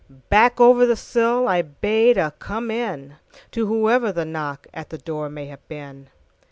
Back over the sillI bade a "Come in"To whoever the knockAt the door may have been.